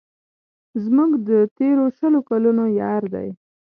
زموږ د تېرو شلو کلونو یار دی.